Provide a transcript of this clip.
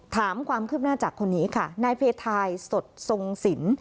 ถามความคืบหน้าจากคนนี้ค่ะนายเพทายสดทรงสิน